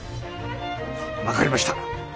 分かりました。